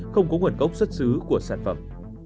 không có nguồn gốc xuất xứ của sản phẩm